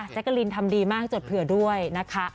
กะลินทำดีมากจดเผื่อด้วยนะคะ